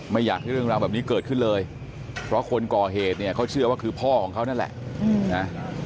ไม่อยากให้เรื่องราวแบบนี้เกิดขึ้นเลยเพราะคนก่อเหตุเนี่ยเขาเชื่อว่าคือพ่อของเขานั่นแหละนะ